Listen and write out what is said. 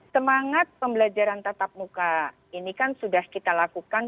semangat pembelajaran tatap muka ini kan sudah kita lakukan